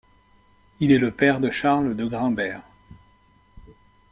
Il est le père de Charles de Graimberg.